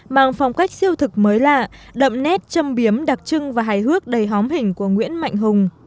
mang phong cách siêu thực mới lạ đậm nét châm biếm đặc trưng và hài hước đầy hóm hình của nguyễn mạnh hùng